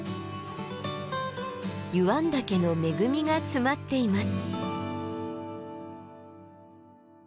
湯湾岳の恵みが詰まっています。